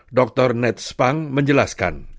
adalah daging yang dibudidayakan